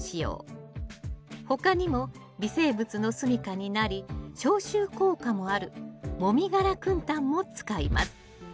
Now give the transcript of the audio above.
他にも微生物のすみかになり消臭効果もあるもみ殻くん炭も使います。